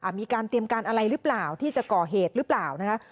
มีการเตรียมการอะไรหรือเปล่าที่จะก่อเหตุหรือเปล่านะคะ